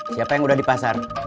siapa yang udah di pasar